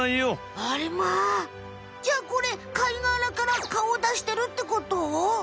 あれまじゃあこれ貝がらからかおをだしてるってこと？